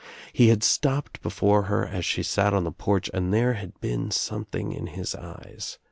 He had stopped before her as she sat on the porch and there had been something in his eyes.